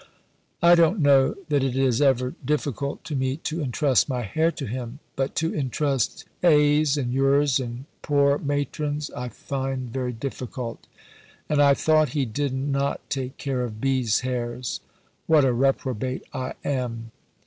I don't know that it is ever difficult to me to entrust my 'hair' to Him, but to entrust A.'s, and yours, and poor matron's I find very difficult. And I thought He did not take care of B.'s hairs. What a reprobate I am!"